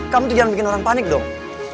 kamu tuh jangan bikin orang panik dong